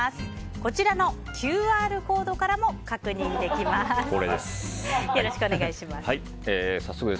こちらのＱＲコードからも確認できます。